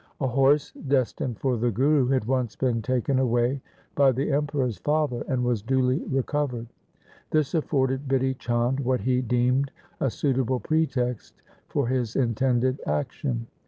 A horse destined for the Guru had once been taken away by the Emperor's father and was duly re covered. This afforded Bidhi Chand what he deemed a suitable pretext for his intended action.